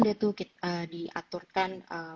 dia tuh diaturkan